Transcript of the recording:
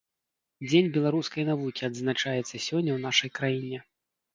Дзень беларускай навукі адзначаецца сёння ў нашай краіне.